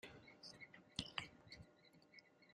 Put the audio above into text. Better to be poor and healthy rather than rich and sick.